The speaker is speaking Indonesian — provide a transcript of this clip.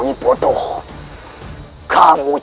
kamu jangan berdiri dibalik semua masalah ini